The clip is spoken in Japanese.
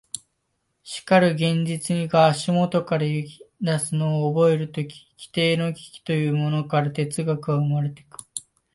しかるに現実が足下から揺ぎ出すのを覚えるとき、基底の危機というものから哲学は生まれてくる。